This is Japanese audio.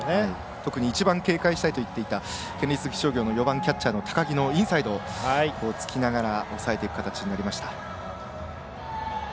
特に一番警戒したいと言っていた県立岐阜商業の４番キャッチャーの高木のインサイドをつきながら抑えていく形になりました。